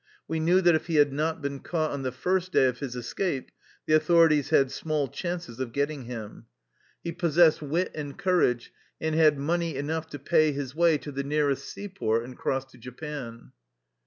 We knew that if he had not been caught on the first day of his escape the authori ties had small chances of getting him. He pos 177 THE LIFE STOEY OF A RUSSIAN EXILE sessed wit and courage, and had money enough to pay his way to the nearest seaport and cross to Japan.